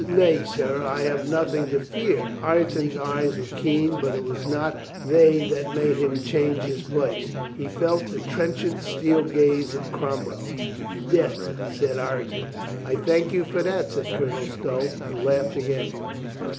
"Nay, sir, I have nothing to fear." Ireton's eyes were keen, but it was not they that made him change his place. He felt the trenchant steel gaze of Crom well. "Death," said Ireton. "I thank you for that," said Colonel Stow, and laughed again.